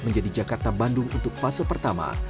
menjadi jakarta bandung untuk fase pertama